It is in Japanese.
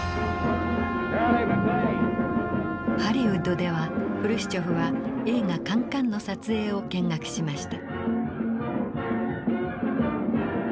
ハリウッドではフルシチョフは映画「カンカン」の撮影を見学しました。